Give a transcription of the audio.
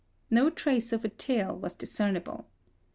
No trace of a tail was discernible.